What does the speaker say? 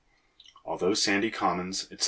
Although sandy commons, etc.